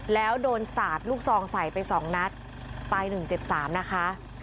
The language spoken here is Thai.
แล้วโดนสาดลูกซองใสไปสองนัดตายหนึ่งเจ็บสามนะคะ